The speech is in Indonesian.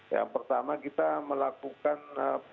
yang pertama kita melakukan